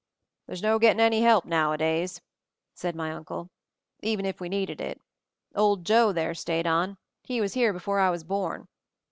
"There's no getting any help nowadays," said my Uncle. "Even if we needed it. Old Joe there stayed on — he was here before I was born.